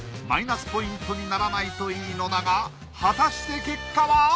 マイナスポイントにならないといいのだが果たして結果は！？